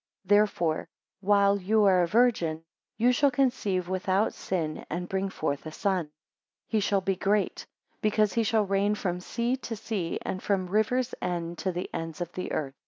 10 Therefore while you are a Virgin, you shall conceive without sin, and bring forth a son. 11 He shall be great, because he shall reign from sea to sea, and from the rivers even to the ends of the earth?